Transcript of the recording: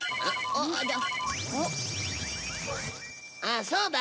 ああそうだ。